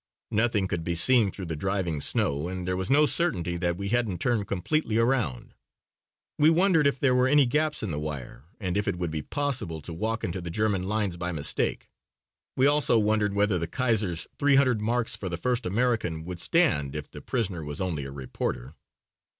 Nothing could be seen through the driving snow and there was no certainty that we hadn't turned completely around. We wondered if there were any gaps in the wire and if it would be possible to walk into the German lines by mistake. We also wondered whether the Kaiser's three hundred marks for the first American would stand if the prisoner was only a reporter.